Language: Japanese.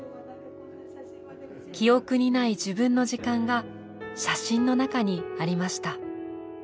記憶にない自分の時間が写真の中にありました。